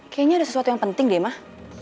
kayaknya ada sesuatu yang penting deh mah